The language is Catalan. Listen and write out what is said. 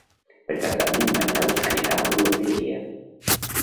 Per Cap d'Any en Manel anirà a l'Olleria.